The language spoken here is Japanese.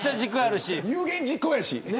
有言実行やし。